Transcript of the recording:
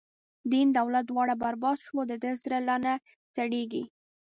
دین دولت دواړه برباد شو، د ده زړه لانه سړیږی